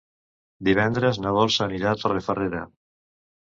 Divendres na Dolça anirà a Torrefarrera.